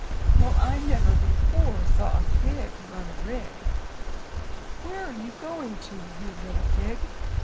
Well, I never before saw a pig run a rig!" * Where are you going to, you little pig?"